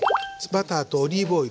バターとオリーブオイル。